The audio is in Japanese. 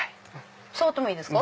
触ってもいいですか？